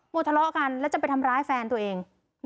ทะเลาะกันแล้วจะไปทำร้ายแฟนตัวเอง